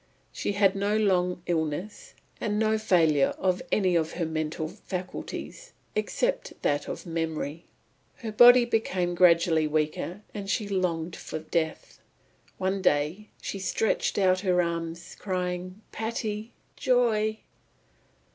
She had no long illness, and no failure of any of her mental faculties, except that of memory. Her body became gradually weaker, and she longed for death. One day "she stretched out her arms, crying, 'Patty! joy!